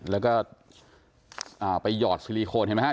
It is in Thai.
แล้วก็ไปหยอดซิลิโคนเห็นไหมฮ